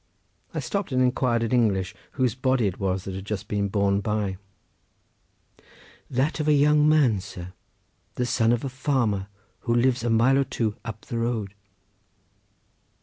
I stopped and inquired in English whose body it was that had just been borne by. "That of a young man, sir, the son of a farmer, who lives a mile or so up the road."